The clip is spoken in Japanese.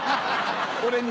俺に？